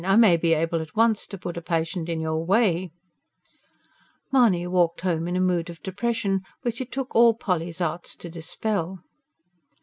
I may be able at once to put a patient in your way." Mahony walked home in a mood of depression which it took all Polly's arts to dispel.